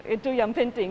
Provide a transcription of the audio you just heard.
itu yang penting